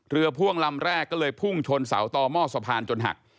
พ่วงลำแรกก็เลยพุ่งชนเสาต่อหม้อสะพานจนหัก